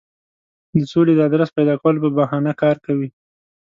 د سولې د آدرس پیدا کولو په بهانه کار کوي.